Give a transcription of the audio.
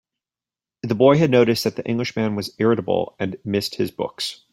The boy had noticed that the Englishman was irritable, and missed his books.